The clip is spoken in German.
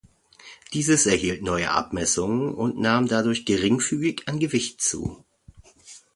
Dieses erhielt neue Abmessungen und nahm dadurch geringfügig an Gewicht zu.